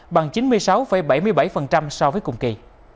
bằng chín mươi sáu bảy mươi bảy so với cùng kỳ